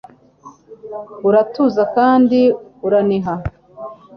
uratuza kandi uraniha